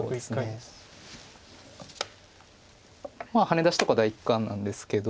ハネ出しとか第一感なんですけど。